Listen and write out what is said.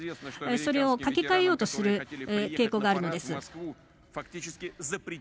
それを書き換えようとする傾向があるのです。